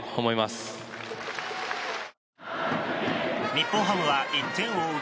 日本ハムは１点を追う